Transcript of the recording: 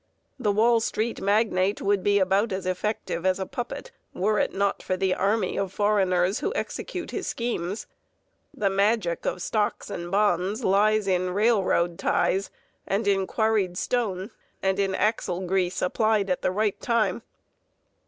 The Wall Street magnate would be about as effective as a puppet were it not for the army of foreigners who execute his schemes. The magic of stocks and bonds lies in railroad ties and in quarried stone and in axle grease applied at the right time.